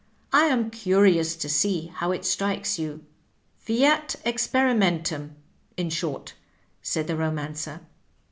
I am curious to see how it strikes you." " Fiat eaeperimentum — ^in short," said the Romancer.